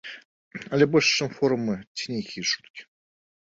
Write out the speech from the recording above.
Але больш чым форумы ці нейкія чуткі.